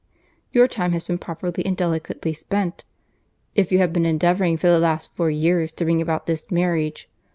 Your time has been properly and delicately spent, if you have been endeavouring for the last four years to bring about this marriage.